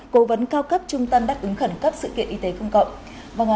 cố vấn cao cấp trung tâm đáp ứng khẩn cấp sự kiện y tế công cộng